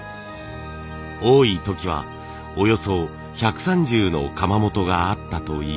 多い時はおよそ１３０の窯元があったといいます。